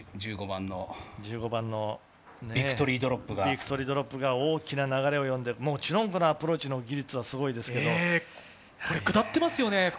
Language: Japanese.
１５番のビクトリードロップが大きな流れを読んで、アプローチの技術がすごいですけど、下っていますよね。